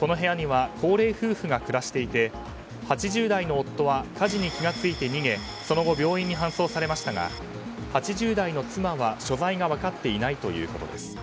この部屋には高齢夫婦が暮していて８０代の夫は火事に気が付いて逃げその後、病院に搬送されましたが８０代の妻は、所在が分かっていないということです。